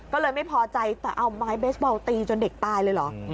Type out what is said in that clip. ก็เลยไม่พอใจแต่เอาไม้เบสบอลตีจนเด็กตายเลยเหรอ